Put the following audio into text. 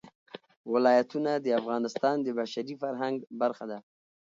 ولایتونه د افغانستان د بشري فرهنګ برخه ده.